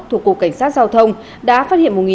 thuộc cục cảnh sát giao thông